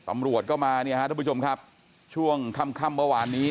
ตำรวจก็มาเนี่ยฮะทุกผู้ชมครับช่วงค่ำเมื่อวานนี้